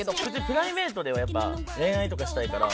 プライベートではやっぱ恋愛とかしたいから。